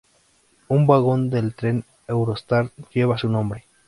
Un vagón del tren Eurostar lleva su nombre.